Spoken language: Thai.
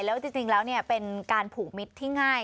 แล้วจริงแล้วเนี่ย๔๐๑เป็นการผู้มิตรแบบง่าย